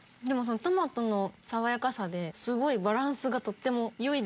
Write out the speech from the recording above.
トマトの爽やかさですごいバランスがとてもよい。